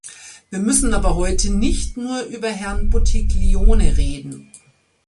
Wir müssen aber heute nicht nur über Herrn Buttiglione reden.